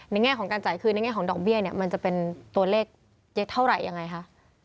แง่ของการจ่ายคืนในแง่ของดอกเบี้ยเนี่ยมันจะเป็นตัวเลขเยอะเท่าไหร่ยังไงคะ